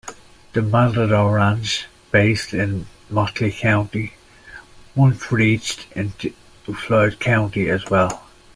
The Matador Ranch, based in Motley County, once reached into Floyd County as well.